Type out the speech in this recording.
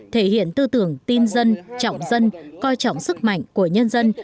thể hiện tư tưởng tin dân trọng dân coi trọng sức mạnh của nhân dân